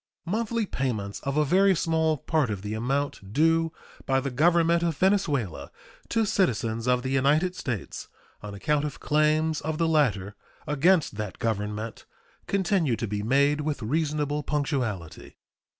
Monthly payments of a very small part of the amount due by the Government of Venezuela to citizens of the United States on account of claims of the latter against that Government continue to be made with reasonable punctuality.